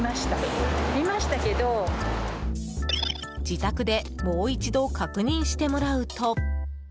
自宅でもう一度確認してもらうと。